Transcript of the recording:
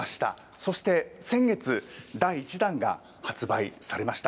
そして先月、第１弾が発売されました。